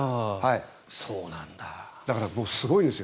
だから、すごいんですよ。